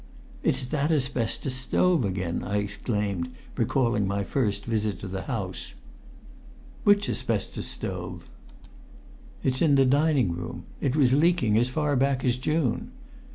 "It's that asbestos stove again!" I exclaimed, recalling my first visit to the house. "Which asbestos stove?" "It's in the dining room. It was leaking as far back as June."